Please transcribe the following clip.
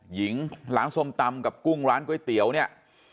หญิงร้านส้มตำกับกุ้งร้านก๋วยเตี๋ยวเนี่ย